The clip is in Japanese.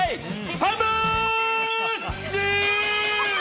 ハンバーグ！